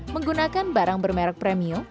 menggunakan barang bermerek premium